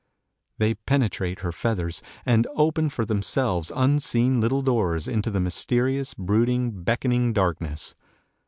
They penetrate her feathers, and open for themselves unseen little doors into the mysterious, brooding, beckoning darkness.